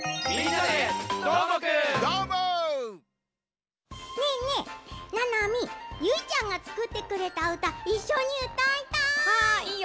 ななみゆいちゃんがつくってくれたうたいっしょにうたいたい！